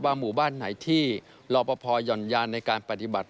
หมู่บ้านไหนที่รอปภหย่อนยานในการปฏิบัติ